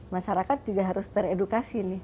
masyarakat juga harus teredukasi nih